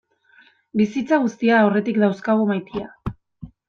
Bizitza guztia aurretik daukazu maitea.